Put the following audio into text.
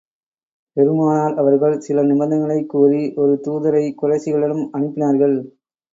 பெருமானார் அவர்கள் சில நிபந்தனைகளைத் கூறி, ஒரு தூதரை குறைஷிகளிடம் அனுப்பினார்கள்.